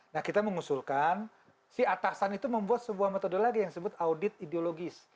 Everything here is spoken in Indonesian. nah kita mengusulkan si atasan itu membuat sebuah metode lagi yang disebut audit ideologis